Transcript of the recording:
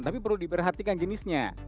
tapi perlu diperhatikan jenisnya